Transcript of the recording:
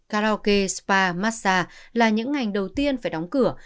karaoke spa massage là những ngành đầu tiên phải đóng cửa